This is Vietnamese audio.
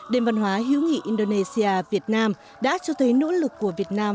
đêm văn hóa hữu nghị indonesia việt nam đã cho thấy nỗ lực của việt nam